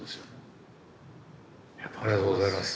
ありがとうございます。